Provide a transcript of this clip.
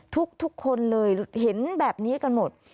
ทุกคนเลยเห็นแบบนี้กันหมด